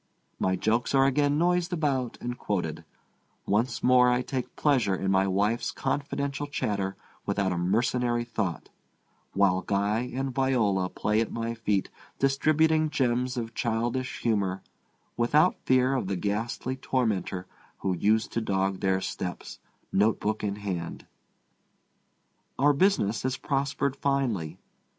My jokes are again noised about and quoted; once more I take pleasure in my wife's confidential chatter without a mercenary thought, while Guy and Viola play at my feet distributing gems of childish humor without fear of the ghastly tormentor who used to dog their steps, notebook in hand. Our business has prospered finely.